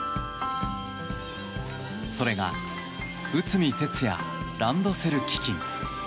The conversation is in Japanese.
それが内海哲也ランドセル基金。